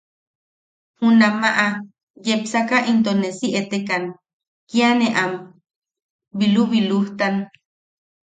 Junamaʼa yepsaka into ne si etekan, kia ne am bilubilujtan.